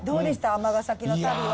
尼崎の旅は。